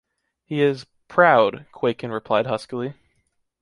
He is ... proud, Quakin repeated huskily.